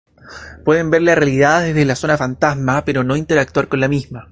Pueden ver la realidad desde la Zona Fantasma, pero no interactuar con la misma.